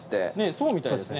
そうみたいですね。